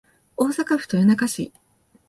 大阪府豊中市